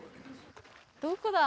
どこだ？